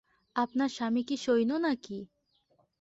আপনার স্বামী কি সৈন্য নাকি?